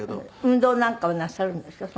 運動なんかはなさるんですか？